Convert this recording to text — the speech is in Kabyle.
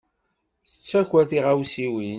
Tettaker tiɣawsiwin.